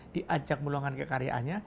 diajak mengulangkan kekaryanya